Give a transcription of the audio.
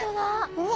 うわ！